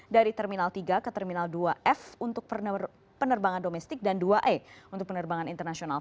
dari terminal tiga ke terminal dua f untuk penerbangan domestik dan dua e untuk penerbangan internasional